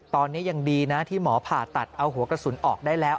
ตอนนี้ยังดีนะที่หมอผ่าตัดเอาหัวกระสุนออกได้แล้ว